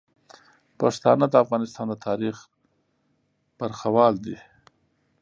پښتانه د افغانستان د تاریخ برخوال دي.